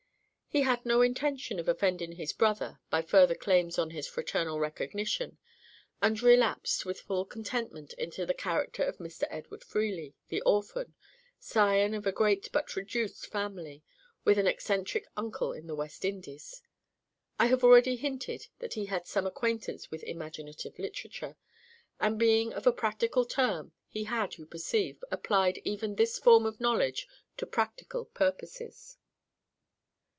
He had no intention of offending his brother by further claims on his fraternal recognition, and relapsed with full contentment into the character of Mr. Edward Freely, the orphan, scion of a great but reduced family, with an eccentric uncle in the West Indies. (I have already hinted that he had some acquaintance with imaginative literature; and being of a practical turn, he had, you perceive, applied even this form of knowledge to practical purposes.)